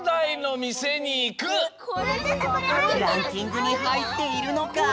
ランキングにはいっているのか？